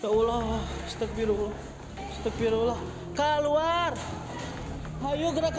tahu allah step cowokmarthan hai bangunan hancho